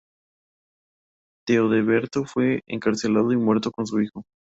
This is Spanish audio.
Teodeberto fue encarcelado y muerto con su hijo.